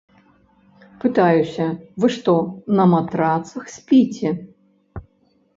Пытаюся, вы што, на матрацах спіце?